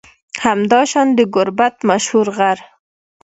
همداشان د گربت مشهور غر